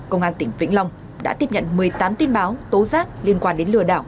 công an tỉnh vĩnh long đã tiếp nhận một mươi tám tin báo tố giác liên quan đến lừa đảo